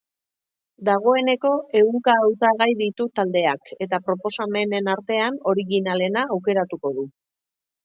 Dagoeneko ehunka hautagai ditu taldeak, eta proposamenen artean originalena aukeratuko du.